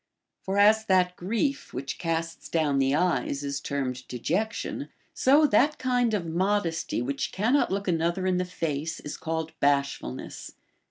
For as that grief Λvhich casts down the eyes is termed dejection, so tliat kind of modesty which cannot look another in the face is called bashfulness.